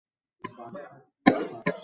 পত্রের এতটুকু শুনেই কিসরা ক্রোধে ফেটে পড়ল।